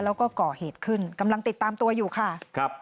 แล้วก็ก่อเหตุขึ้นกำลังติดตามตัวอยู่ค่ะครับ